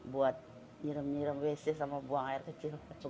buat nyirem nyirem bc sama buang air kecil